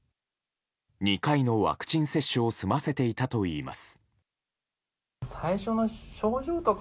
２回のワクチン接種を済ませていたといいます。